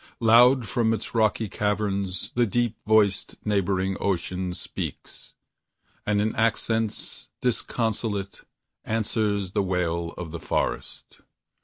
Loud from its rocky caverns, the deep voiced neighboring ocean Speaks, and in accents disconsolate answers the wail of the forest.